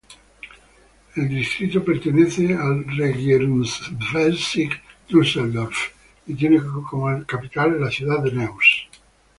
El distrito pertenece al Regierungsbezirk Düsseldorf y tiene como capital la ciudad de Neuss.